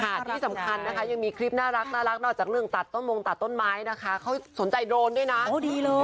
ที่สำคัญนะคะยังมีคลิปน่ารักนอกจากเรื่องตัดต้นมงตัดต้นไม้นะคะเขาสนใจโดรนด้วยนะโอ้ดีเลย